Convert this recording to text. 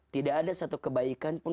tidak ada satu kebaikan pun